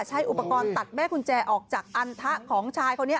ใช้อุปกรณ์ตัดแม่กุญแจออกจากอันทะของชายคนนี้